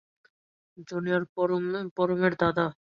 Junior পরমের দাদা।